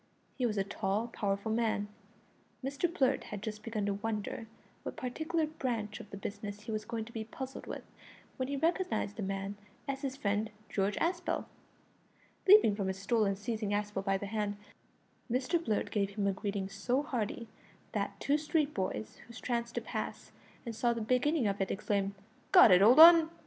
He was a tall, powerful man. Mr Blurt had just begun to wonder what particular branch of the business he was going to be puzzled with, when he recognised the man as his friend George Aspel. Leaping from his stool and seizing Aspel by the hand, Mr Blurt gave him a greeting so hearty that two street boys who chanced to pass and saw the beginning of it exclaimed, "Go it, old 'un!"